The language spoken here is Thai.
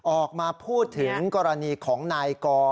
ออกมาพูดถึงกรณีของนายกอ